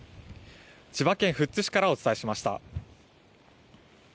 千葉県富津市からお伝えしました。